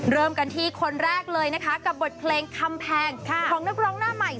เริ่มกันที่คนแรกเลยนะคะกับบทเพลงคำแพงของนักร้องหน้าใหม่